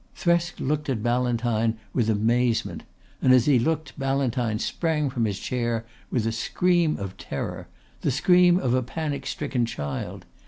Thresk looked at Ballantyne with amazement; and as he looked Ballantyne sprang from his chair with a scream of terror the scream of a panic stricken child.